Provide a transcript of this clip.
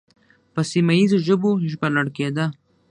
په سیمه ییزو ژبو ژباړل کېدل